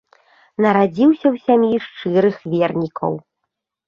Нарадзіўся ў сям'і шчырых вернікаў.